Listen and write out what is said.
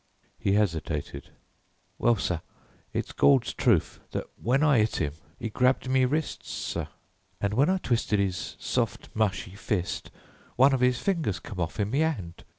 He hesitated. "Well, sir, it's Gawd's truth that when I 'it 'im 'e grabbed me wrists, sir, and when I twisted 'is soft, mushy fist one of 'is fingers come off in me 'and."